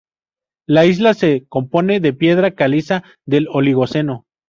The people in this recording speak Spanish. La isla se compone de piedra caliza del Oligoceno.